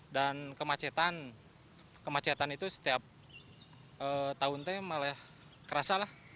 dan kemacetan itu setiap tahun malah kerasa lah